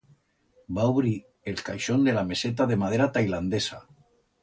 Va ubrir el caixón de la meseta de madera tailandesa.